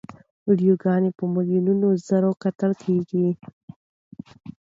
ویډیوګانې په میلیونو ځله کتل کېږي.